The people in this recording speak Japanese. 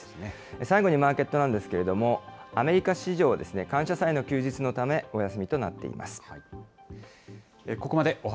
最後にマーケットなんですけれども、アメリカ市場、感謝祭の休日のため、お休みとなっています。